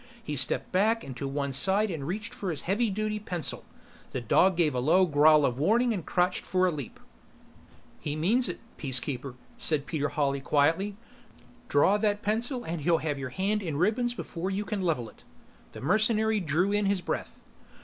He stepped back and to one side and reached for his heavy duty pencil the dog gave a low growl of warning and crouched for a leap. "He means it Peacekeeper," said Peter Hawley quietly. "Draw that pencil and he'll have your hand in ribbons before you can level it." The mercenary drew in his breath.